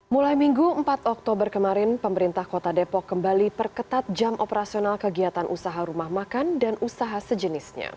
mulai minggu empat oktober kemarin pemerintah kota depok kembali perketat jam operasional kegiatan usaha rumah makan dan usaha sejenisnya